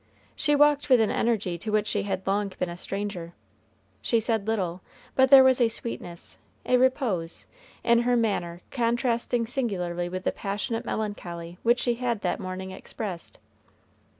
She walked with an energy to which she had long been a stranger. She said little, but there was a sweetness, a repose, in her manner contrasting singularly with the passionate melancholy which she had that morning expressed.